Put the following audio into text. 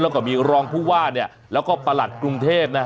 แล้วก็มีรองผู้ว่าแล้วก็ประหลัดกรุงเทพนะฮะ